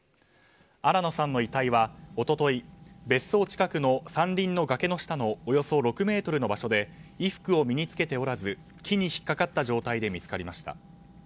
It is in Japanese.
新野さんの遺体は一昨日別荘近くの山林の崖の下のおよそ６ｍの場所で衣服を身に着けておらず木に引っかかった状態で見つかりました。